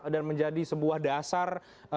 dan menjadi sebuah dasar